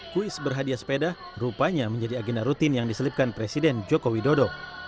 kuis berhadiah sepeda rupanya menjadi agenda rutin yang diselipkan presiden joko widodo